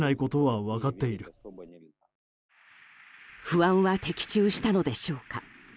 不安は的中したのでしょうか。